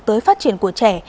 tới phát triển của trẻ